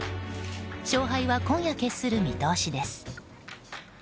勝敗は今夜決する見通しです。